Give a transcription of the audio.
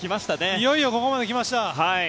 いよいよここまで来ました。